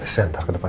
saya ntar kedalaman